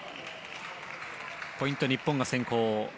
ポイント、日本が先行。